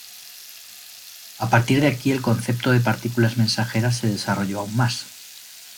A partir de aquí el concepto de partículas mensajeras se desarrolló aún más.